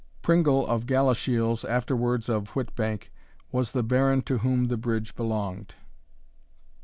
Pringle of Galashiels, afterwards of Whytbank, was the Baron to whom the bridge belonged.